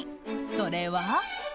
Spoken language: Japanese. それは。